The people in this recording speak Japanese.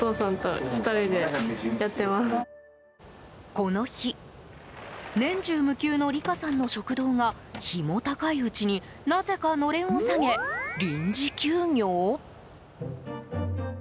この日年中無休の理佳さんの食堂が日も高いうちになぜかのれんを下げ臨時休業？